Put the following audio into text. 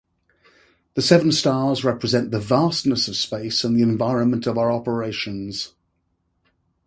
The seven stars represent the vastness of space and the environment of our operations.